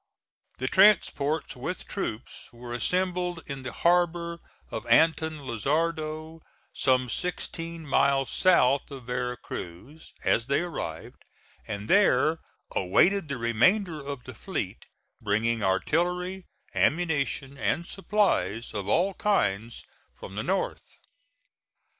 The transports with troops were assembled in the harbor of Anton Lizardo, some sixteen miles south of Vera Cruz, as they arrived, and there awaited the remainder of the fleet, bringing artillery, ammunition and supplies of all kinds from the North.